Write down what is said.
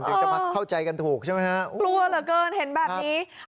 เดี๋ยวจะมาเข้าใจกันถูกใช่ไหมฮะกลัวเหลือเกินเห็นแบบนี้